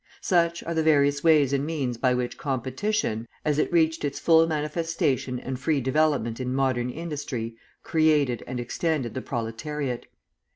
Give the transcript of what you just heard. Such are the various ways and means by which competition, as it reached its full manifestation and free development in modern industry, created and extended the proletariat.